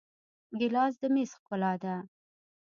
ګیلاس د میز ښکلا ده.